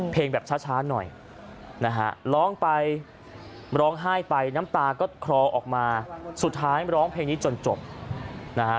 เพลงแบบช้าหน่อยนะฮะร้องไปร้องไห้ไปน้ำตาก็คลอออกมาสุดท้ายร้องเพลงนี้จนจบนะฮะ